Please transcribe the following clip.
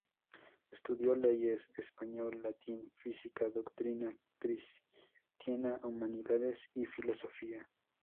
Estudió leyes, español, latín, física, doctrina cristiana, humanidades y filosofía.